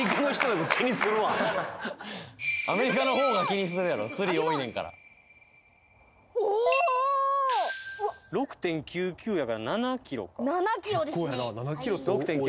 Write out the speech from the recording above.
はっアメリカのほうが気にするやろスリ多いねんからおおー６．９９やから７ｋｇか７ｋｇですね６．９９